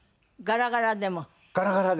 ガラガラでも。